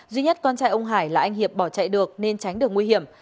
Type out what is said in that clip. duy nhất con trai ông hải là anh hiệp bỏ chạy được nên tránh được nguy hiểm